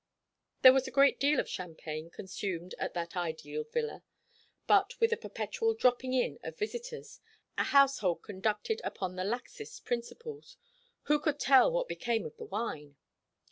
There was a great deal of champagne consumed at that ideal villa, but with a perpetual dropping in of visitors a household conducted upon the laxest principles who could tell what became of the wine?